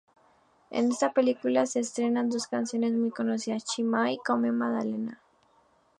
En esta película se estrenan dos canciones muy conocidas Chi Mai y Come Maddalena.